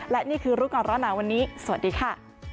และนี่คือรู้ก่อนร้อนหนาวันนี้สวัสดีค่ะ